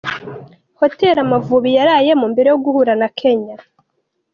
Hotel Amavubi yarayemo mbere yo guhura na Kenya.